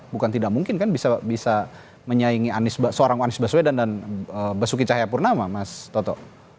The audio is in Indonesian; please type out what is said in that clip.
bukan tidak mungkin kan bisa menyaingi seorang anies baswedan dan basuki cahayapurnama mas toto